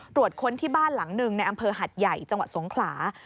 ค้นที่บ้านหลังหนึ่งในอำเภอหัดใหญ่จังหวัดสงขลา